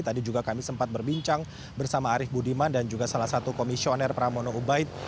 tadi juga kami sempat berbincang bersama arief budiman dan juga salah satu komisioner pramono ubaid